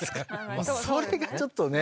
それがちょっとね。